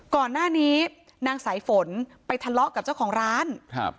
ก่อนหน้านี้นางสายฝนไปทะเลาะกับเจ้าของร้านครับ